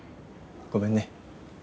ごめんね。